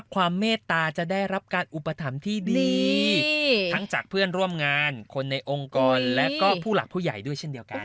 ทำที่ดีทั้งจากเพื่อนร่วมงานคนในองค์กรและก็ผู้หลักผู้ใหญ่ด้วยเช่นเดียวกัน